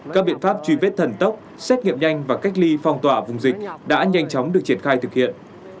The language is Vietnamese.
các biện pháp truy vết thần tốc xét nghiệm nhanh và cách ly phong tỏa vùng dịch đã nhanh chóng được triển khai thực hiện